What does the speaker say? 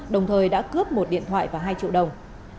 đồng thời đã cướp một điện thoại và hai triệu đồng